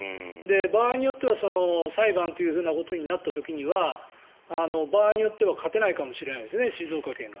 場合によっては裁判ということになった時には場合によっては勝てないかもしれないですね静岡県が。